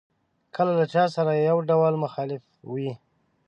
کله له چا سره یو ډول مخالف وي.